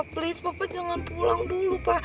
please papa jangan pulang dulu pa